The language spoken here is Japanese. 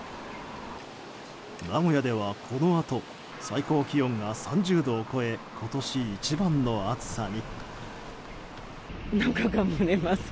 名古屋では、このあと最高気温が３０度を超え今年一番の暑さに。